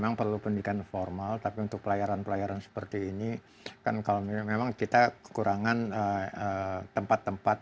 memang perlu pendidikan formal tapi untuk pelayaran pelayaran seperti ini kan kalau memang kita kekurangan tempat tempat